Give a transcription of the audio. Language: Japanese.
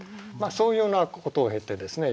そういうようなことを経てですね